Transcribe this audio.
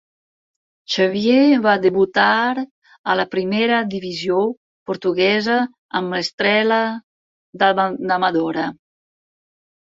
Xavier va debutar a la primera divisió portuguesa amb Estrela da Amadora.